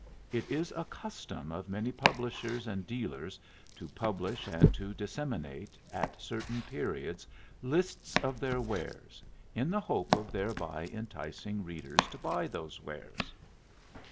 It is a custom of many publishers and dealers to publish and to disseminate at certain periods lists of their wares, in the hope of thereby enticing readers to buy those wares.